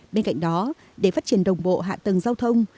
bên cạnh đó để phát triển đồng bộ hạ tầng giao thông